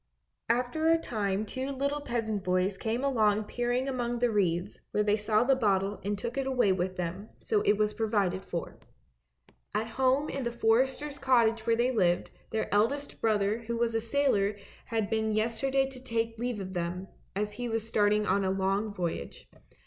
After a time two little peasant boys came along peering among the reeds where they saw the bottle and took it away with them, so it was provided for. At home in the forester's cottage where they lived, their eldest brother who was a sailor had been yesterday to take leave of them, as he was starting on a long voyage.